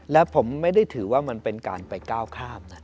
และผมไม่ได้ถือว่ามันเป็นการไปก้าวข้ามนะ